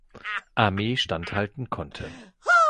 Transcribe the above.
Armee standhalten konnte.